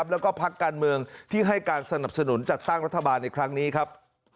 แล้วก็พักการเมืองที่ให้การสนับสนุนจัดตั้งรัฐบาลในครั้งนี้ครับ